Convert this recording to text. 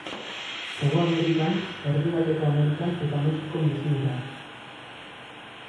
Hego Amerikan, Erdialdeko Amerikan eta Mexikon bizi dira.